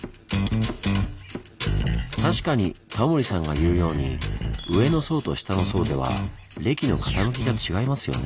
確かにタモリさんが言うように上の層と下の層では礫の傾きが違いますよね。